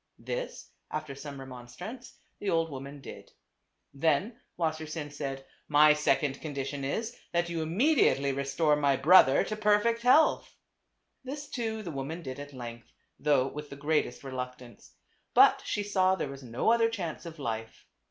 This, after some remonstrance, the old woman did. Then Wassersein said, "My second condition is, that you immediately restore 308 TWO BBOTHEBS. my brother to perfect health." This, too, the woman did at length, though with the greatest reluctance ; but she saw there was no other chance of life.